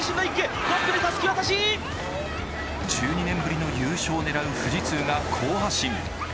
１２年ぶりの優勝を狙う富士通が好発進。